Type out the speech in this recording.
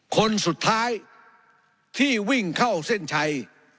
คนสุดท้ายที่วิ่งเข้าเส้นชัย